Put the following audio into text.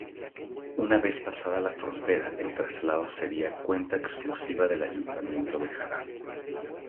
Una vez pasada la frontera el traslado sería cuenta exclusiva del Ayuntamiento bejarano.